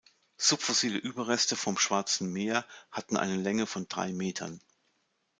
Subfossile Überreste vom Schwarzen Meer hatten eine Länge von drei Metern.